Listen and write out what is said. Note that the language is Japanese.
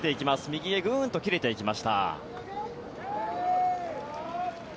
右へグーンと切れていきました。